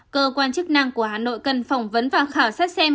cơ quan chức năng của hà nội cần phỏng vấn và khảo sát xem